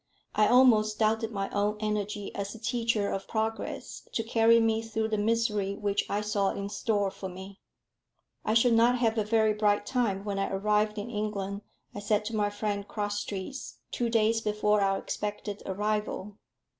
I almost doubted my own energy as a teacher of progress to carry me through the misery which I saw in store for me. "I shall not have a very bright time when I arrive in England," I said to my friend Crosstrees, two days before our expected arrival.